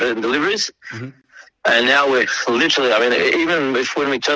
anda tidak membuat uang